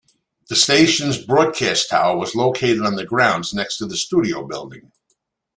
The stations' broadcast tower was located on the grounds next to the studio building.